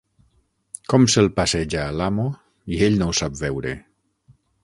Com se'l passeja, l'amo, i ell no ho sap veure!